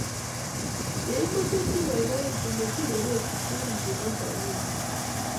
Ye imeche si baibaitu matinerekchi tugun chebo salwondi